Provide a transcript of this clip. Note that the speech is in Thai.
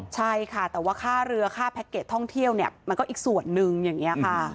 ใช่ค่ะแต่ว่าค่าเรือค่าแพ็คเกจท่องเที่ยวเนี่ยมันก็อีกส่วนนึงอย่างนี้ค่ะ